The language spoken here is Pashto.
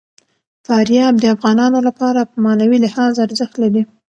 فاریاب د افغانانو لپاره په معنوي لحاظ ارزښت لري.